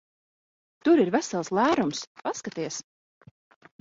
Tur ir vesels lērums. Paskaties!